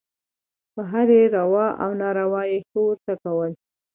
په هرې روا او ناروا یې «ښه» ورته کول.